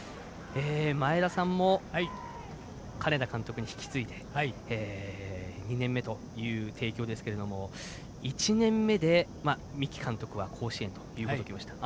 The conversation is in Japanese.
前田さんも金田監督に引き継いで２年目という帝京ですけども１年目で、三木監督は甲子園に。